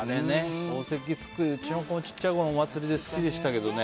宝石すくいねうちの子も小さいころ、お祭りで好きでしたけどね。